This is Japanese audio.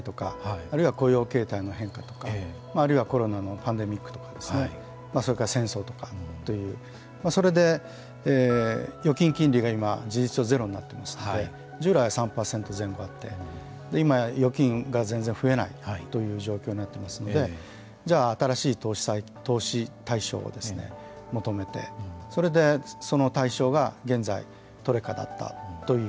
あるいは雇用形態の変化とかあるいはコロナのパンデミックとかそれから戦争とかというそれで預金金利が今、事実上ゼロになっていますので従来３％前後あったのに今や預金が全然増えないという状況になっていますのでじゃあ、新しい投資対象を求めてそれで、その対象が現在、トレカだったという。